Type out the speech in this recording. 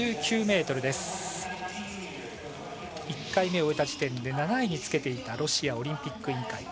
１回目終えた時点で７位につけていたロシアオリンピック委員会。